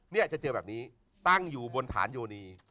เนี่ยจะเจอแบบนี้ตั้งอยู่บนฐานโยนี